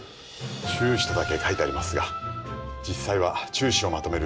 厨司とだけ書いてありますが実際は厨司をまとめる